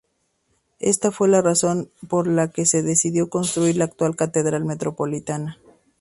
Esta fue la razón por la que se decidió construir la actual catedral metropolitana.